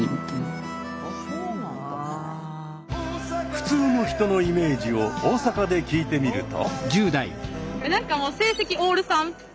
「普通の人」のイメージを大阪で聞いてみると。